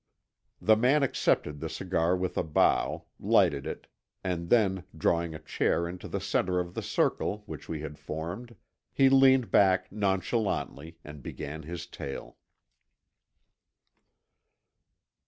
The man accepted the cigar with a bow, lighted it, and then drawing a chair into the center of the circle which we had formed, he leaned back nonchalantly and began his tale.